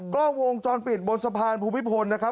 กล้องวงจรปิดบนสะพานภูมิพลนะครับ